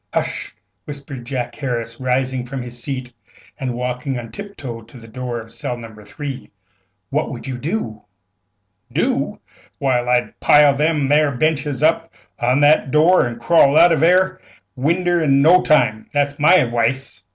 "Hush!" whispered Jack Harris, rising from his seat and walking on tip toe to the door of cell No. 3. "What would you do?" "Do? Why, I'd pile them 'ere benches up agin that 'ere door, an' crawl out of that 'erc winder in no time. That's my adwice."